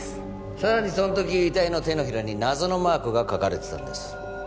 さらにその時遺体の手のひらに謎のマークが描かれてたんです